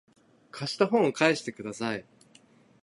貸した本を返してください